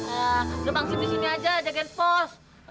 ya udah pangsip di sini aja jagain pos